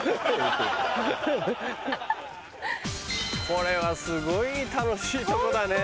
これはすごい楽しいとこだね。